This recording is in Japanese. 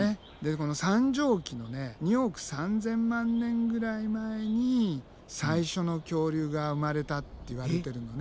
この三畳紀の２億３，０００万年ぐらい前に最初の恐竜が生まれたっていわれてるのね。